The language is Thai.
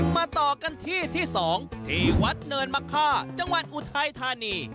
ต่อกันที่ที่๒ที่วัดเนินมะค่าจังหวัดอุทัยธานี